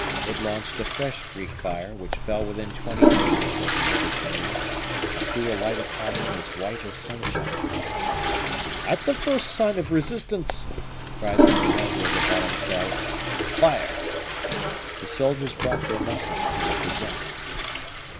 It launched a fresh Greek fire, which fell within twenty paces of the little canoe, and threw a light upon them as white as sunshine. "At the first sign of resistance," cried the commander of the balancelle, "fire!" The soldiers brought their muskets to the present.